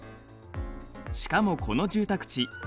しかもこの住宅地